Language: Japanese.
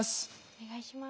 お願いします。